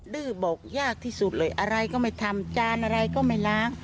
ดื้อบอกยากที่สุดเลยอะไรก็ไม่ทำจานอะไรก็ไม่ล้าง